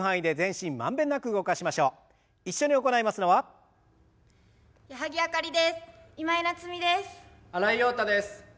新井庸太です。